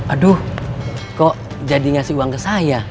aduh kok jadi ngasih uang ke saya